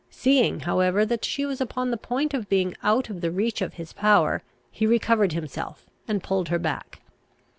Seeing, however, that she was upon the point of being out of the reach of his power, he recovered himself and pulled her back.